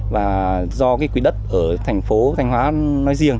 và do cái quỹ đất ở thành phố thanh hóa nói riêng